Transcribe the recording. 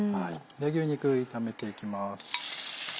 牛肉炒めていきます。